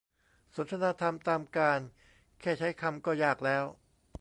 สนทนาธรรมตามกาล แค่ใช้คำก็ยากแล้ว